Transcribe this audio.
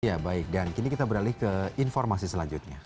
ya baik dan kini kita beralih ke informasi selanjutnya